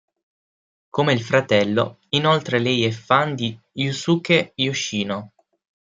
Come il fratello, inoltre lei è fan di Yusuke Yoshino.